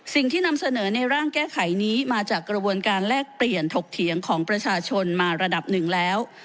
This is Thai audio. สิ่งที่นำเสนอในร่างแก้ไขนี้มาจากกระบวนการแลกเปลี่ยนถกเถียงของประชาชนมาระดับหนึ่งแล้ว